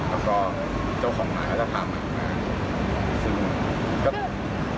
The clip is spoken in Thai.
แล้วก็เจ้าของหมาก็จะถามอย่างนั้น